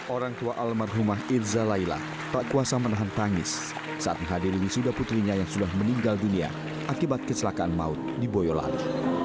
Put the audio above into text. orang tua almarhumah irza laila tak kuasa menahan tangis saat menghadiri wisuda putrinya yang sudah meninggal dunia akibat kecelakaan maut di boyolali